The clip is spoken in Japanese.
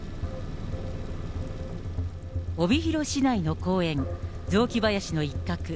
帯広市内の公園、雑木林の一角。